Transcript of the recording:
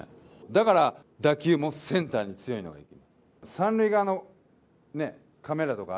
だから打球もセンターに強いのがいく。